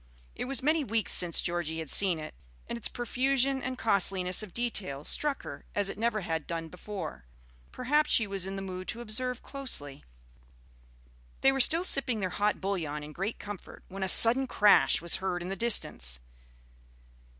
It was many weeks since Georgie had seen it, and its profusion and costliness of detail struck her as it never had done before. Perhaps she was in the mood to observe closely. They were still sipping their hot bouillon in great comfort, when a sudden crash was heard in the distance.